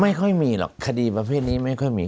ไม่ค่อยมีหรอกคดีประเภทนี้ไม่ค่อยมี